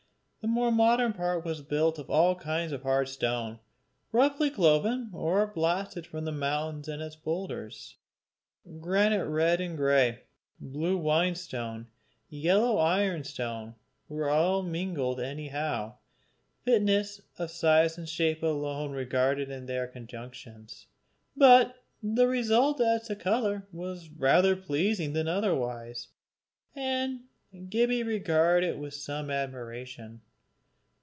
The more modern part was built of all kinds of hard stone, roughly cloven or blasted from the mountain and its boulders. Granite red and grey, blue whinstone, yellow ironstone, were all mingled anyhow, fitness of size and shape alone regarded in their conjunctions; but the result as to colour was rather pleasing than otherwise, and Gibbie regarded it with some admiration.